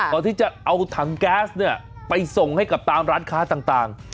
ก่อนที่จะเอาถังแก๊สเนี่ยไปส่งให้กับตามร้านค้าต่าง